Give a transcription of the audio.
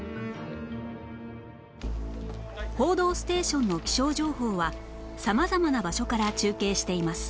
『報道ステーション』の気象情報は様々な場所から中継しています